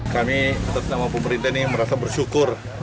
kami terkenal pemerintah ini merasa bersyukur